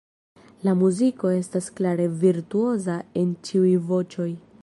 La muziko estas klare ‘virtuoza’ en ĉiuj voĉoj.